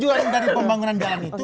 tujuan dari pembangunan jalan itu